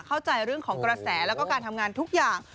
เข้าใจเรื่องของกระแสแล้วก็การทำงานทุกอย่าง